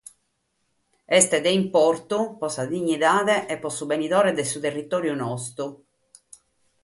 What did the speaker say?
Est importante pro sa dignidade e pro su benidore de su territòriu nostru.